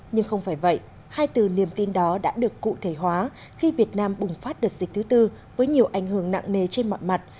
nhưng không phải vậy hai từ niềm tin đó đã được cụ thể hóa khi việt nam bùng phát đợt dịch thứ tư với nhiều ảnh hưởng nặng nề trên mọi mặt